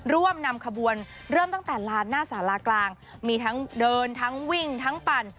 ร่วมนำขบวนเริ่มตั้งแต่ลานหน้าสารากลางมีทั้งเดินทั้งวิ่งทั้งปั่น